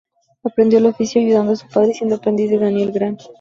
Aprendió el oficio ayudando a su padre y siendo aprendiz de Daniel Gran.